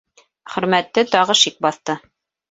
Хөрмәтте тағы шик баҫты.